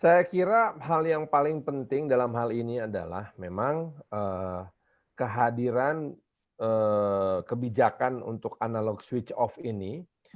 saya kira hal yang paling penting dalam hal ini adalah memang kehadiran kebijakan untuk analog switch off ini